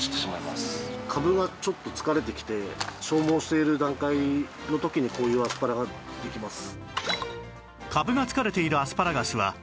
株がちょっと疲れてきて消耗している段階の時にこういうアスパラができます。